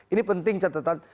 ini penting catatan